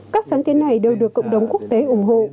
các sáng kiến này đều được cộng đồng quốc tế ủng hộ